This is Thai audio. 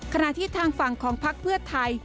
ขณะที่ทางฝั่งของพักเพื่อไทย